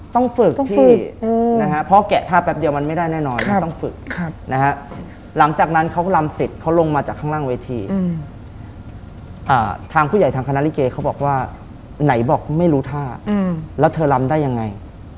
ต้องฝึกพี่นะฮะเพราะแกะท่าแป๊บเดียวมันไม่ได้แน่นอนมันต้องฝึกนะฮะหลังจากนั้นเขาก็ลำเสร็จเขาลงมาจากข้างล่างเวทีทางผู้ใหญ่ทางคณะลิเกเขาบอกว่าไหนบอกไม่รู้ท่าแล้วเธอลำได้ยังไง